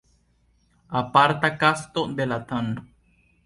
Aparta kasto de la tn.